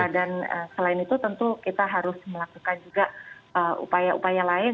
dan selain itu tentu kita harus melakukan juga upaya upaya lain